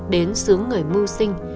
đến xướng người mưu sinh